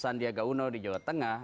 sandiaga uno di jawa tengah